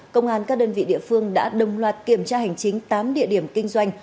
công an các đơn vị địa phương đã đồng loạt kiểm tra hành chính tám địa điểm kinh doanh